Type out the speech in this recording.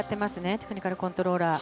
テクニカルコントローラー。